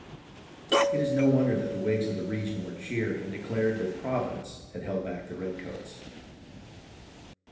It is no wonder that the Whigs of the region were cheered and declared that Providence had held back the redcoats.